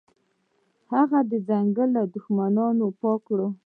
هغوی ځنګل له دښمنانو پاک کړ.